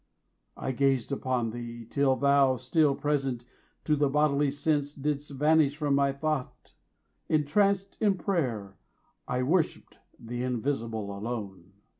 I gazed upon thee, Till thou, still present to the bodily sense, Didst vanish from my thought: entranced in prayer 15 I worshipped the Invisible alone.